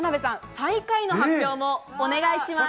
最下位の発表もお願いします。